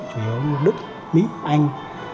chủ yếu như đức mỹ anh